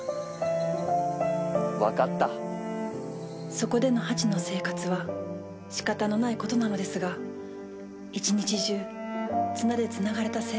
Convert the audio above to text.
そこでのハチの生活はしかたのないことなのですが一日中綱でつながれた生活でした。